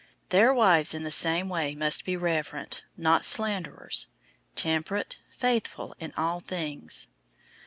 003:011 Their wives in the same way must be reverent, not slanderers, temperate, faithful in all things.